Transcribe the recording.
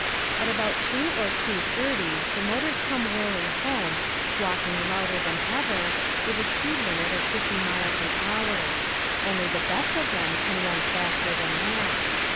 At about two or two thirty the motors come whirling home, squawking louder than ever, with a speed limit of fifty miles an hour. Only the best of them can run faster than that.